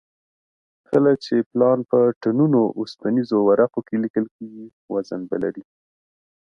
کله چې پلان په ټنونو اوسپنیزو ورقو کې لیکل کېږي وزن به لري